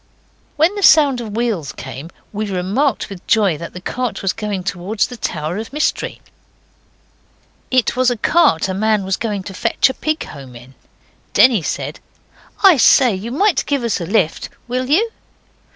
When the sound of wheels came we remarked with joy that the cart was going towards the Tower of Mystery. It was a cart a man was going to fetch a pig home in. Denny said 'I say, you might give us a lift. Will you?